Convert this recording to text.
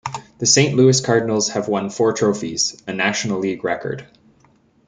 The Saint Louis Cardinals have won four trophies, a National League record.